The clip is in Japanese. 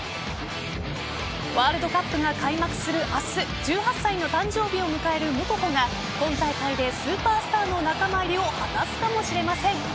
ワールドカップが開幕する明日１８歳の誕生日を迎えるムココが今大会でスーパースターの仲間入りを果たすかもしれません。